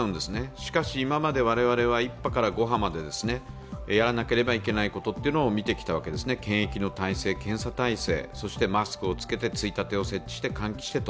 しかし、今まで我々は１波から５波までやらなければいけないことを見てきたわけですね、検疫の体勢検査体勢そしてマスクを着けてついたてを設置して、換気してと。